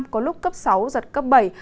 có lúc cấp sáu giật cấp bảy